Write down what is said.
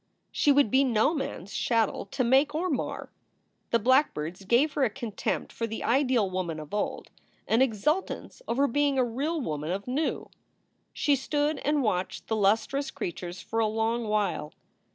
She would be no man s chattel to make or mar. The blackbirds gave her a contempt for the ideal woman of old, an exultance over being a real woman of new. She stood and watched the lustrous creatures for a long while.